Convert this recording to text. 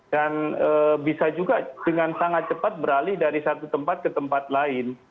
dan bisa juga dengan sangat cepat beralih dari satu tempat ke tempat lain